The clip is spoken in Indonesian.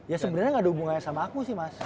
ya sebenarnya gak ada hubungannya sama aku sih mas